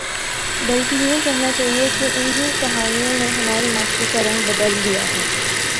بلکہ یوں کہنا چاہیے کہ ان ہی کہانیوں نے ہمارے معاشرے کا رنگ بدل دیا ہے